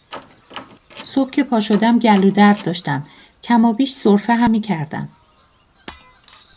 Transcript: صبح که پاشدم گلو درد داشتم و کمابیش سرفه هم میکردم